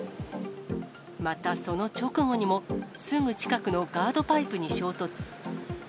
またその直後にも、すぐ近くのガードパイプに衝突。